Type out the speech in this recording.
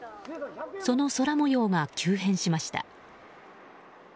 その空模様が急変しました。